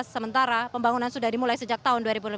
sementara pembangunan sudah dimulai sejak tahun dua ribu lima belas